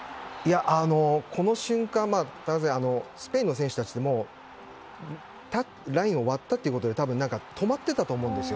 この瞬間スペインの選手たちはラインを割ったということで多分止まっていたと思うんですよ。